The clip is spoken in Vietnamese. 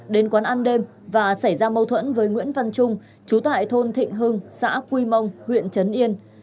đến quán ăn đêm và xảy ra mâu thuẫn với nguyễn văn trung chú tại thôn thịnh hưng xã quy mông huyện trấn yên